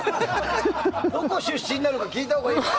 どこ出身か聞いたほうがいいよ。